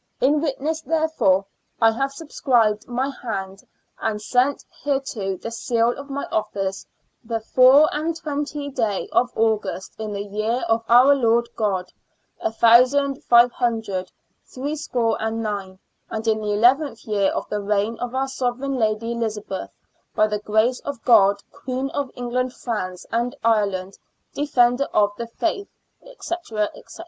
In 52 SIXTEENTH CENTURY BRISTOL. Witness whereof I have subscribed my hande and set hereunto the seale of my ofhce the fower and twentithe day of August in the yere of our Lorde God A thousand fiv hondrethe thre score and nyne and in the eleventh 3'ere of the reigne of our sovereigne lady Elizabethe by the grace of God Queue of England France and Irelande Defendor of the Faithe et cet.